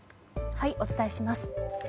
お伝えします。